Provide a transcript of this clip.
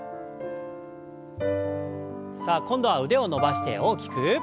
さあ今度は腕を伸ばして大きく。